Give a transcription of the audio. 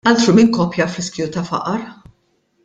Altru minn koppja f'riskju ta' faqar!